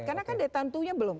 karena kan daya tantunya belum